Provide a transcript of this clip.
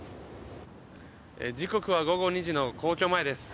時刻は午後２時の皇居前です。